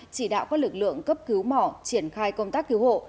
chỉ đạo các lực lượng cấp cứu mỏ triển khai công tác cứu hộ